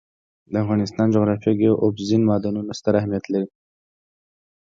د افغانستان جغرافیه کې اوبزین معدنونه ستر اهمیت لري.